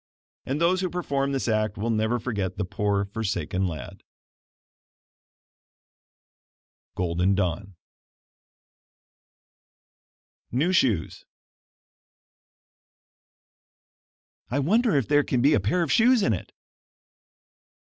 And those who performed this act will never forget the poor forsaken lad. Golden Dawn NEW SHOES "I wonder if there can be a pair of shoes in it!"